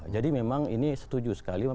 jadi memang ini setuju sekali